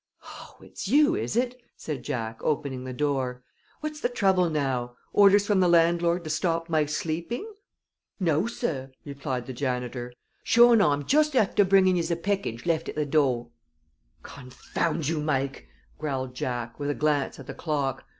"Oh, it's you, is it?" said Jack, opening the door. "What's the trouble now? Orders from the landlord to stop my sleeping?" "No, sorr," replied the janitor. "Sure an' I'm just afther bringin' yez a package lift at the door." "Confound you, Mike!" growled Jack, with a glance at the clock.